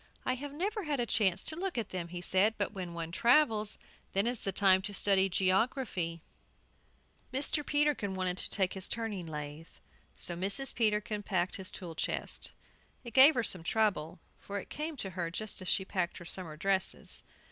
"I have never had a chance to look at them," he said; "but when one travels, then is the time to study geography." Mr. Peterkin wanted to take his turning lathe. So Mrs. Peterkin packed his tool chest. It gave her some trouble, for it came to her just as she had packed her summer dresses.